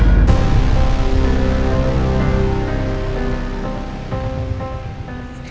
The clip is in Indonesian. tidak ada yang nge review